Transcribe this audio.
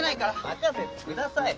任せてください。